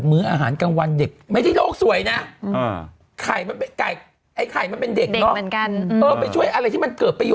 เพราะเธอมีโอกาสสร้างภาพทุกเช้าทุกป่าย